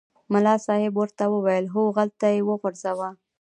ملا صاحب ورته وویل هوغلته یې وغورځوه.